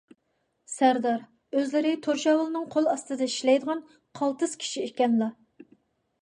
سەردار، ئۆزلىرى تۇرشاۋۇلنىڭ قول ئاستىدا ئىشلەيدىغان قالتىس كىشى ئىكەنلا.